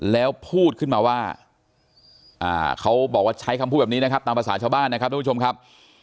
แล้วพูดขึ้นมาว่าเขาบอกว่าใช้คำพูดแบบนี้นะครับตามภาษาชาวบ้านนะครับทุกผู้ชมครับ